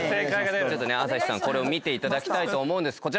朝日さんこれを見ていただきたいと思うんです。